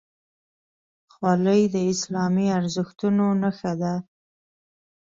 خولۍ د اسلامي ارزښتونو نښه ده.